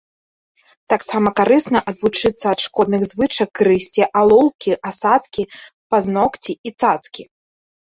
Таксама карысна адвучыцца ад шкодных звычак грызці алоўкі, асадкі, пазногці і цацкі.